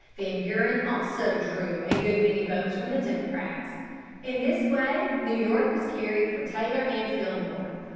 Van Buren also drew a good many votes from the Democrats. In this way New York was carried for Taylor and Fillmore.